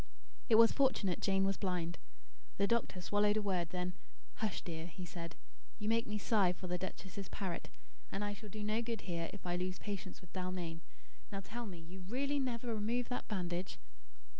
It was fortunate Jane was blind: The doctor swallowed a word, then: "Hush, dear," he said. "You make me sigh for the duchess's parrot. And I shall do no good here, if I lose patience with Dalmain. Now tell me; you really never remove that bandage?"